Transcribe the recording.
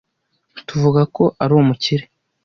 Tuvuga ko ari umukire.